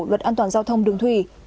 luật an toàn giao thông đường thủy